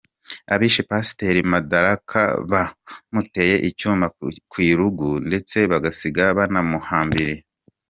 Abishe Pasiteri Madaraka bamuteye icyuma ku irugu ndetse basiga banamuhambiriye.